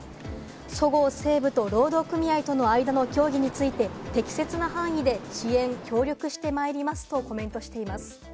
そごう・西武と労働組合との間の協議について、適切な範囲で支援、協力してまいりますとコメントしています。